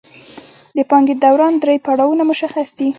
د پانګې د دوران درې پړاوونه مشخص دي